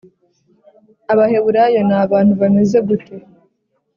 abaheburayo nabantu bameze gute